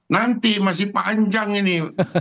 nanti masih panjang ini